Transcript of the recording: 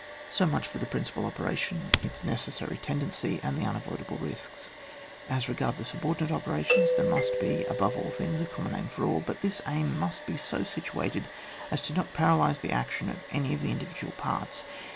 So much for the principal operation, its necessary tendency, and the unavoidable risks. As regards the subordinate ope rations, there must be, above all things, a common aim for all ; but this aim mnst be so situated as not to paralyse the action of any of the individual parts.